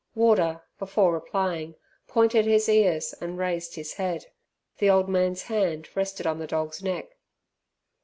Warder, before replying, pointed his cars and raised his head. The old man's hand rested on the dog's neck.